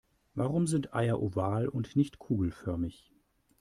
Warum sind Eier oval und nicht kugelförmig?